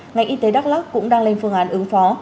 ngành y tế đắk lắc cũng đang lên phương án ứng phó